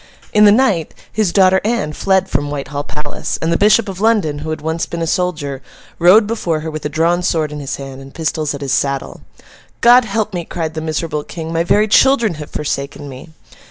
In the night, his daughter Anne fled from Whitehall Palace; and the Bishop of London, who had once been a soldier, rode before her with a drawn sword in his hand, and pistols at his saddle. 'God help me,' cried the miserable King: 'my very children have forsaken me!